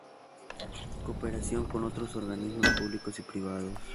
Cooperación con otros organismos públicos y privados.